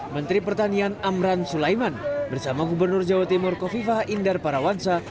menteri pertanian amran sulaiman bersama gubernur jawa timur kofifah indar parawansa